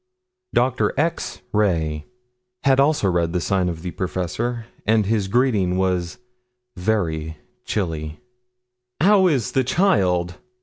Doctor X. Ray had also read the sign of the professor and his greeting was very chilly. "How is the child?"